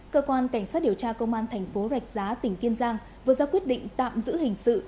cơ quan cảnh sát điều tra công an thành phố rạch giá tỉnh kiên giang vừa ra quyết định tạm giữ hình sự